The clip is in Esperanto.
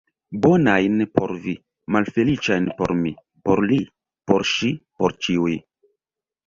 Bonajn por vi, malfeliĉajn por mi, por li, por ŝi, por ĉiuj!